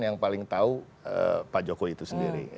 yang paling tahu pak jokowi itu sendiri